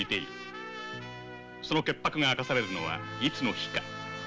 その潔白が明かされるのはいつの日か。